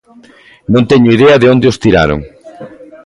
Non teño idea de onde os tiraron.